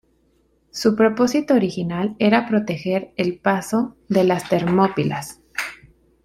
Su propósito original era proteger el paso de las Termópilas.